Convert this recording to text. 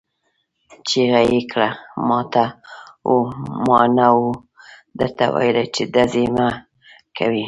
چيغه يې کړه! ما نه وو درته ويلي چې ډزې مه کوئ!